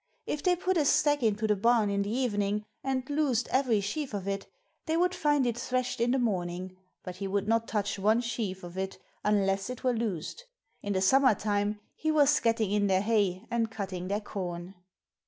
If they put a stack into the barn in the evening and loosed every sheaf of it, they would find it thrashed in the morning, but he would not touch one sheaf of it unless it were loosed. In the summer time he was getting in their hay and cutting their corn.